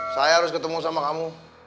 saya harus ketemu sama kamu